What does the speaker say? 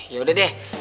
ya udah deh